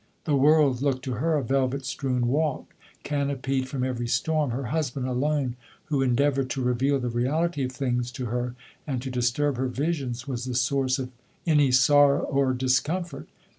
The world looked to her a velvet strewn walk, canopied from every storm — her husband alone, who en deavoured to reveal the reality of things to her, and to disturb her visions, was the source of any sorrow or discomfort.